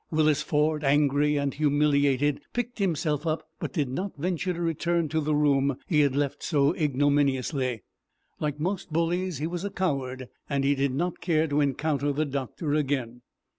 Willis Ford, angry and humiliated, picked himself up, but did not venture to return to the room he had left so ignominiously. Like most bullies, he was a coward, and he did not care to encounter the doctor again.